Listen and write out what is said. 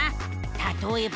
たとえば。